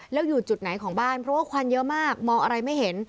แล้วอยู่จุดไหนของบ้านเพราะว่าควันเยอะมากมองอะไรไม่เห็น